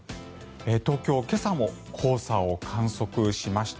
東京、今朝も黄砂を観測しました。